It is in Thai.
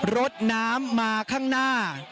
รถน้ำมาข้างหน้า